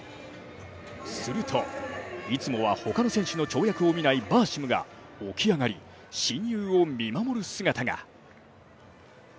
すると、いつもは他の選手の跳躍を見ないバーシムが起き上がり、親友を見守る姿が。